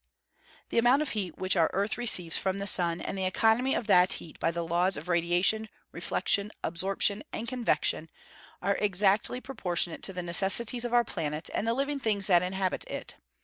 The amount of heat which our earth receives from the sun, and the economy of that heat by the laws of radiation, reflection, absorption, and convection, are exactly proportionate to the necessities of our planet, and the living things that inhabit it.